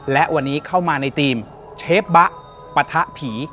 และวันนี้เข้ามาในทีมเชฟบะปะทะผี